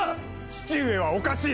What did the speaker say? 父上はおかしい。